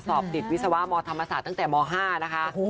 สอบติดวิศวะมธรรมศาสตร์ตั้งแต่ม๕นะคะ